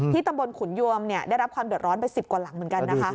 ตำบลขุนยวมได้รับความเดือดร้อนไป๑๐กว่าหลังเหมือนกันนะคะ